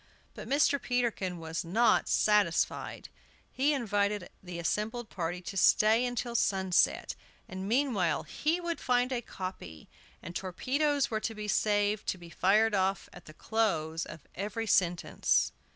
But Mr. Peterkin was not satisfied. He invited the assembled party to stay until sunset, and meanwhile he would find a copy, and torpedoes were to be saved to be fired off at the close of every sentence.